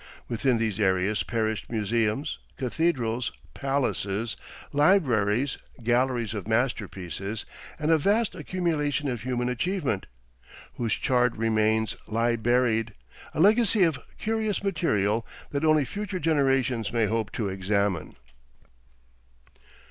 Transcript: Within these areas perished museums, cathedrals, palaces, libraries, galleries of masterpieces, and a vast accumulation of human achievement, whose charred remains lie buried, a legacy of curious material that only future generations may hope to examine....